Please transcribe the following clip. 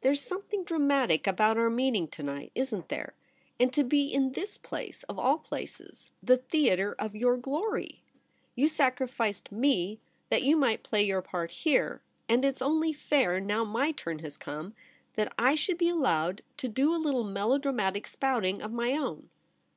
There's something dramatic about our meeting to night, isn't there ? And to be in this place — of all places — the theatre of your glory ! You sacrificed me that you might play your part here ; and it's only fair, now 'my turn has come, that I should be allowed to do a little melodramatic spouting of my own.'